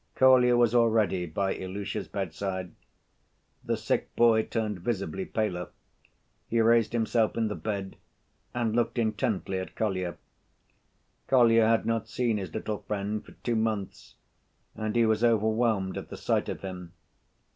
Kolya was already by Ilusha's bedside. The sick boy turned visibly paler. He raised himself in the bed and looked intently at Kolya. Kolya had not seen his little friend for two months, and he was overwhelmed at the sight of him.